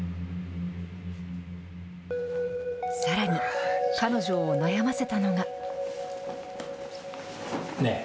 さらに、彼女を悩ませたのが。ねぇ。